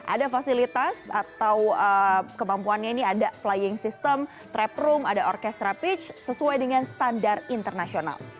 ada fasilitas atau kemampuannya ini ada flying system trap room ada orkestra pitch sesuai dengan standar internasional